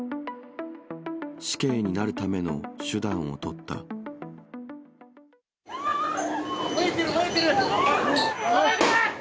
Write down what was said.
死刑になるための手段を取っ燃えてる、燃えてる。